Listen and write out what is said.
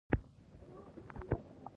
د خدای یاد د روح خوږوالی دی.